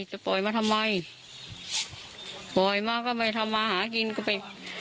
จะปล่อยมาทำไมปล่อยมาก็ไม่ทำมาหากินก็ไป